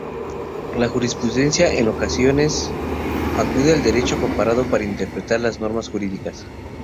La jurisprudencia en ocasiones acude al derecho comparado para interpretar las normas jurídicas.